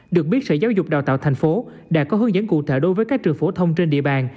được biết sở giáo dục đào tạo thành phố đã có hướng dẫn cụ thể đối với các trường phổ thông trên địa bàn